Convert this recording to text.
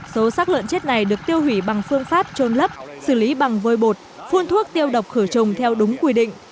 số sắc lợn chết này được tiêu hủy bằng phương pháp trôn lấp xử lý bằng vôi bột phun thuốc tiêu độc khử trùng theo đúng quy định